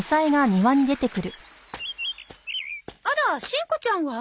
あらしんこちゃんは？